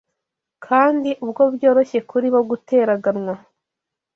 kandi ubwo byoroshye kuri bo guteraganwa